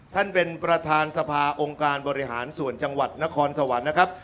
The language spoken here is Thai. ท่านประธานเป็นประธานสภาองค์การบริหารส่วนจังหวัดนครสวรรค์นะครับ